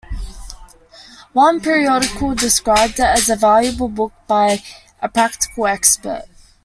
One periodical described it as a valuable book by a practical expert.